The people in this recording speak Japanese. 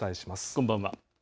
こんばんは。